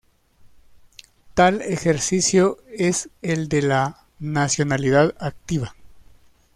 Tal ejercicio es el de la nacionalidad activa.